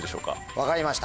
分かりました。